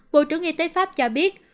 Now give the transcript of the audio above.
bộ trưởng y tế pháp cho biết